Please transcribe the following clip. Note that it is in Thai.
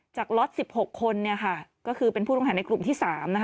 ล็อต๑๖คนก็คือเป็นผู้ต้องหาในกลุ่มที่๓